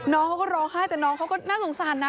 น้องเขาก็ร้องไห้แต่น้องเขาก็น่าสงสารนะ